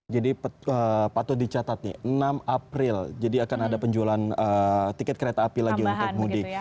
jadi patut dicatat nih enam april jadi akan ada penjualan tiket kereta api lagi untuk mudik